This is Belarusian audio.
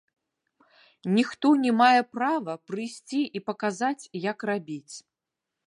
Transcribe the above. Ніхто не мае права прыйсці і паказаць, як рабіць.